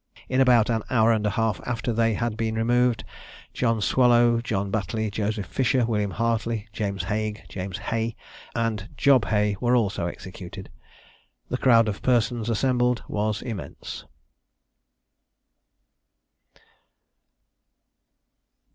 In about an hour and a half after they had been removed, John Swallow, John Batley, Joseph Fisher, William Hartley, James Haigh, James Hey, and Job Hay, were also executed. The crowd of persons assembled was immense.